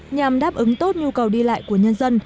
nhằm đáp ứng tốt nhu cầu đi lại của nhân dân